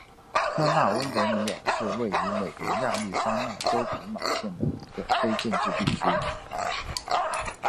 科纳温德米尔是位于美国亚利桑那州皮马县的一个非建制地区。